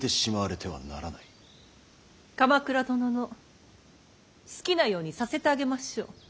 鎌倉殿の好きなようにさせてあげましょう。